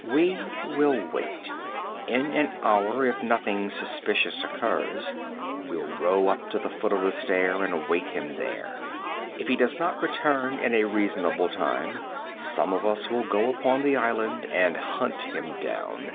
We will wait. In an hour, if nothing suspicious occurs, we'll row up to the foot of the stair and await him there. If he does not return in a reasonable time, some of us will go upon the island and hunt him down.